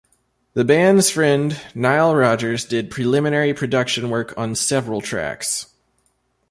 The band's friend Nile Rodgers did preliminary production work on several tracks.